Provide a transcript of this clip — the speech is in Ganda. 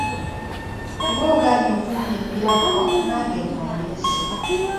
Oba ogaanyi okunnyimbirako nange nno mbirese.